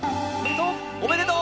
おめでとう！